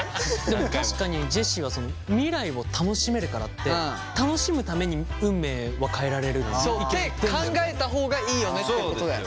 でも確かにジェシーは未来を楽しめるからって楽しむために運命は変えられるっていう意見を言ってんだよね。って考えた方がいいよねっていうことだよね。